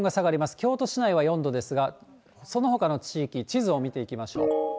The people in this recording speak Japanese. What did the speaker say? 京都市内は４度ですが、そのほかの地域、地図を見ていきましょう。